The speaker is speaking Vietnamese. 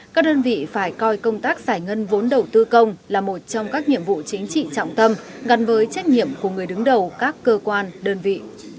các đơn vị phải coi công tác giải ngân vốn đầu tư công là một trong các nhiệm vụ chính trị trọng tâm gắn với trách nhiệm của người đứng đầu các cơ quan đơn vị